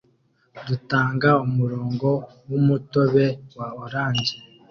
dutanga umurongo wumutobe wa Orange